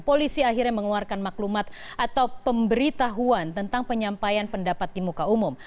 polisi akhirnya mengeluarkan maklumat atau pemberitahuan tentang penyampaian pendapat di muka umum